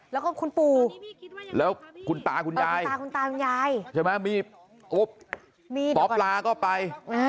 แล้วก็คุณปู่แล้วคุณตาคุณยายใช่ไหมมีป๊อบลาก็ไป